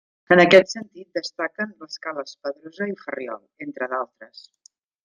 En aquest sentit destaquen les cales Pedrosa i Ferriol, entre d'altres.